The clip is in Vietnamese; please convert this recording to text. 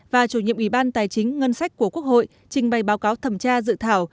và chủ nhiệm ủy ban tài chính ngân sách của quốc hội trình bày báo cáo thẩm tra dự thảo